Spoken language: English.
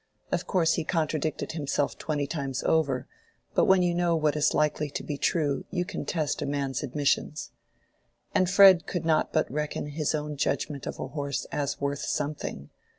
Of course he contradicted himself twenty times over, but when you know what is likely to be true you can test a man's admissions. And Fred could not but reckon his own judgment of a horse as worth something.